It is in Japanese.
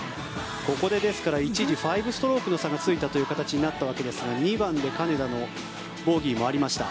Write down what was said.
ここでですから一時５ストロークの差がついたという形になったわけですが２番で金田のボギーもありました。